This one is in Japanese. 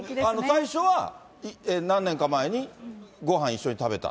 最初は、何年か前にごはん一緒に食べた？